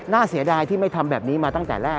เสียดายที่ไม่ทำแบบนี้มาตั้งแต่แรก